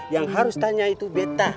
yang harus tanya itu beta